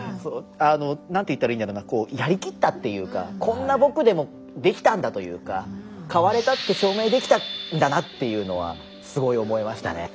何て言ったらいいんだろうなやりきったっていうかこんな僕でもできたんだというか変われたって証明できたんだなっていうのはすごい思いましたね。